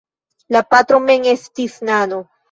La patro mem estis nano.